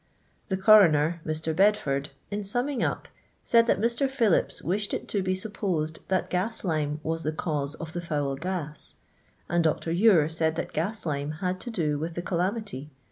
The coroner (Mr. Bedford), in lumming op, laid that Mr. Phillips wished it to be sappoeed that gas lime was the cause of the foul gaa ; and Dr. I're said that gas lime had to do with tka calami ly.